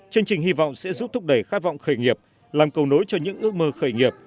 chương trình hy vọng sẽ giúp thúc đẩy khát vọng khởi nghiệp làm cầu nối cho những ước mơ khởi nghiệp